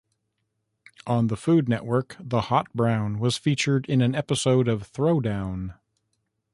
On the Food Network, the Hot Brown was featured in an episode of Throwdown!